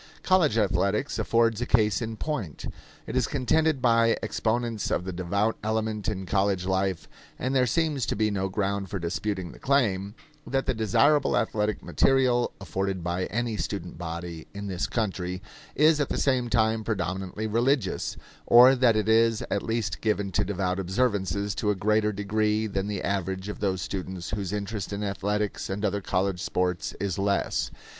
College athletics afford a case in point. It is contended by exponents of the devout element in college life and there seems to be no ground for disputing the claim that the desirable athletic material afforded by any student body in this country is at the same time predominantly religious; or that it is at least given to devout observances to a greater degree than the average of those students whose interest in athletics and other college sports is less.